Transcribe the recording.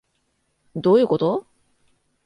どういうこと？